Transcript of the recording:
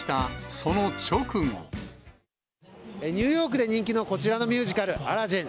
ニューヨークで人気のこちらのミュージカル、アラジン。